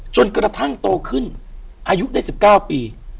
จนกระทั่งโตขึ้นอายุได้๑๙ปี